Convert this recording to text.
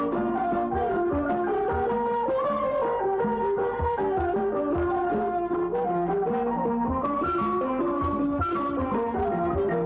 โปรดติดตามตอนต่อไป